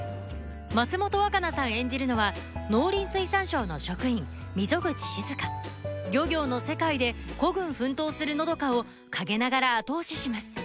松本若菜さん演じるのは農林水産省の職員溝口静漁業の世界で孤軍奮闘する和佳を陰ながら後押しします